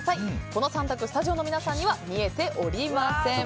この３択スタジオの皆さんには見えておりません。